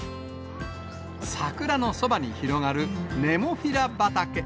桜のそばに広がるネモフィラ畑。